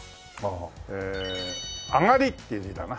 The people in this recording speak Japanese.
え「あがり」っていう字だな。